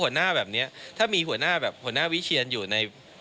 แบบนี้ถ้ามีหัวหน้าแบบหัวหน้าวิเชียนอยู่ใน